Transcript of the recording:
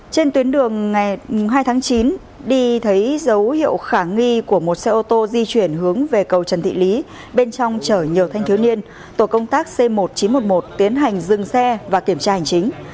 trên tuyến đường ngày hai tháng chín đi thấy dấu hiệu khả nghi của một xe ô tô di chuyển hướng về cầu trần thị lý bên trong chở nhiều thanh thiếu niên tổ công tác c một nghìn chín trăm một mươi một tiến hành dừng xe và kiểm tra hành chính